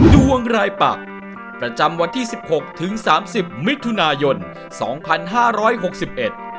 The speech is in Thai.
ดวงรายปักประจำวันที่สิบหกถึงสามสิบมิถุนายนสองพันห้าร้อยหกสิบเอ็ด